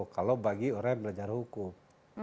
kalau bagi orang yang belajar hukum